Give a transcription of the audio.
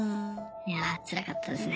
いやあつらかったですね。